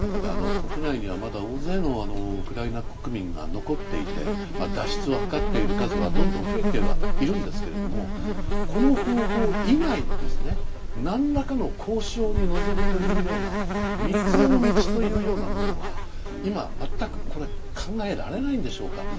国内には大勢のウクライナ国民が残っていて脱出を図っている数はどんどん増えてはいるんですがこの方法以外の何らかの交渉に臨むというような３つ目の道というものは今は全く考えられないのでしょうか。